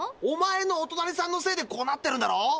おまえのおとなりさんのせいでこうなってるんだろ。